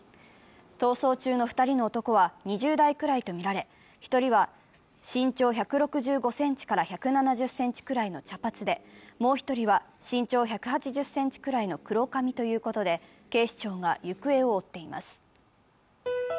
逃走中の２人の男は２０代くらいとみられ、１人は身長１６５ｃｍから１７０ｃｍくらいの茶髪でもう一人は、身長１８０ｃｍくらいの黒髪ということで、「Ｓｕｎトピ」奈良岡さんです。